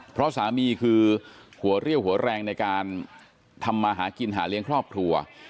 เพราะสามีคือหัวเรี่ยวหัวแรงในการทำมาหากินหาเลี้ยงครอบครัว